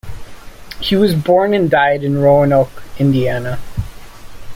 He was born and died in Roanoke, Indiana.